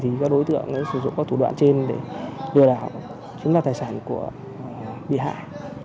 thì các đối tượng sử dụng các thủ đoạn trên để lừa đảo chiếm đoạt tài sản của bị hại